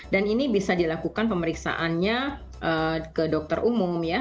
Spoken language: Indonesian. dan ini bisa dilakukan pemeriksaannya ke dokter umum ya